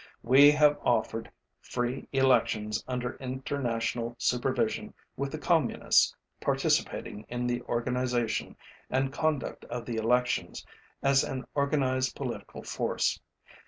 We have offered free elections under international supervision with the Communists participating in the organization and conduct of the elections as an organized political force.